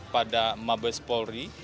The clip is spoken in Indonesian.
pada mabes polri